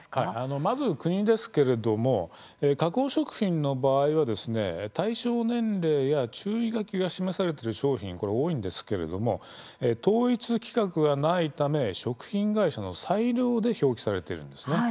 まず国ですけれども加工食品の場合は対象年齢や注意書きが示されている商品が多いんですけれども統一規格がないため食品会社の裁量で表記されているんですね。